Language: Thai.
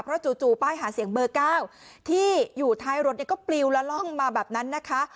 เพราะจู่ป้ายหาเสียงเบอร์๙ที่อยู่ท้ายรถก็ปลิวและล่องมาแบบนั้นนะคะ